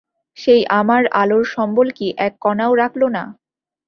সেই আমার আলোর সম্বল কি এক কণাও রাখল না?